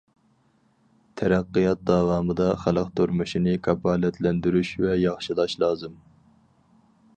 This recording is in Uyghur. تەرەققىيات داۋامىدا خەلق تۇرمۇشىنى كاپالەتلەندۈرۈش ۋە ياخشىلاش لازىم.